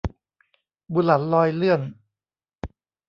บุหลันลอยเลื่อน